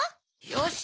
よし！